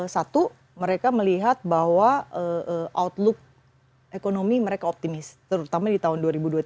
satu mereka melihat bahwa outlook ekonomi mereka optimis terutama di tahun dua ribu dua puluh tiga